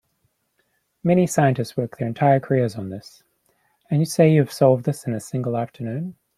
Many scientists work their entire careers on this, and you say you have solved this in a single afternoon?